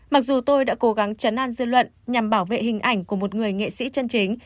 mặc dù tôi đã cố gắng chấn an dư luận nhằm bảo vệ hình ảnh của một người nghệ sĩ chân chính